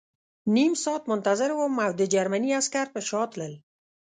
نیم ساعت منتظر وم او د جرمني عسکر په شا تلل